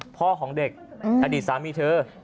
พ่อของเด็กอดีตสามีเธอ